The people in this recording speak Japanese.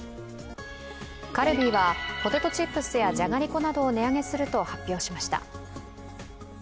カルビーはポテトチップスやじゃがりこなどを値上げすると発表しました。